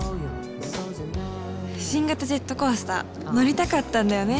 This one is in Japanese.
新型ジェットコースター乗りたかったんだよね。